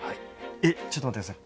えっちょっと待って下さい。